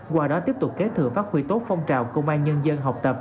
qua đó tiếp tục kế thừa phát huy tốt phong trào công an nhân dân học tập